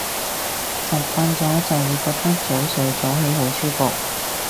習慣咗就會覺得早睡早起好舒服